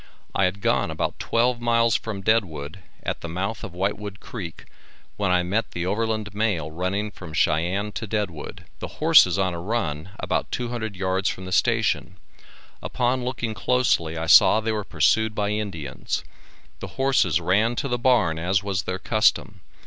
I had gone about twelve miles from Deadwood, at the mouth of Whitewood creek, when I met the overland mail running from Cheyenne to Deadwood. The horses on a run, about two hundred yards from the station; upon looking closely I saw they were pursued by Indians. The horses ran to the barn as was their custom.